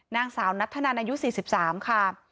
นางสาวนัทธนันอายุ๔๓ค่ะ